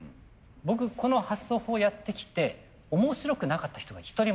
僕この発想法やってきて面白くなかった人が一人もいないんですよ。